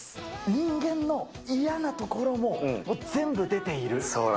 人間の嫌なところも、全部出ている。